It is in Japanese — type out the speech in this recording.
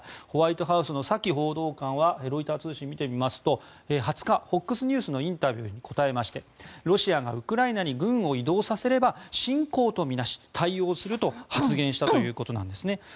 ホワイトハウスのサキ報道官はロイター通信を見てみますと２０日、ＦＯＸニュースのインタビューに答えましてロシアがウクライナに軍を移動させれば侵攻と見なし対応すると発言したということです。